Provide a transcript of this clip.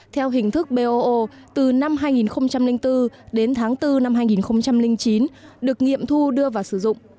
theo hình thức boo từ năm hai nghìn bốn đến tháng bốn năm hai nghìn chín được nghiệm thu đưa vào sử dụng